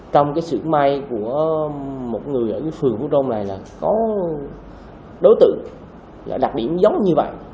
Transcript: trong cái sự may của một người ở cái phường vô trong này là có đối tượng đặc điểm giống như vậy